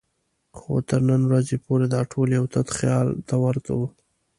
خو تر نن ورځې پورې دا ټول یو تت خیال ته ورته وو.